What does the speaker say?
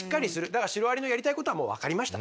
だからシロアリのやりたいことはもう分かりました。